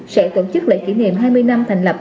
sẽ tổ chức lễ kỷ niệm hai mươi năm thành lập